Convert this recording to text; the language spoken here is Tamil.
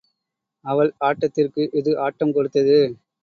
அவள் ஆட்டத்திற்கு இது ஆட்டம் கொடுத்தது.